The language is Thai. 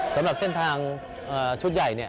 สำหรับเส้นทางชุดใหญ่เนี่ย